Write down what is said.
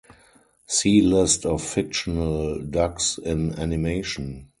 See List of fictional ducks in animation.